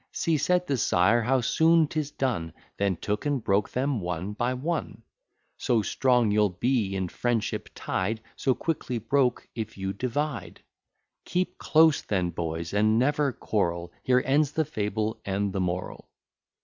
See, said the sire, how soon 'tis done: Then took and broke them one by one. So strong you'll be, in friendship ty'd; So quickly broke, if you divide. Keep close then, boys, and never quarrel: Here ends the fable, and the moral.